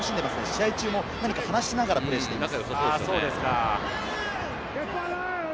試合中も何か話しながらプレーをしています。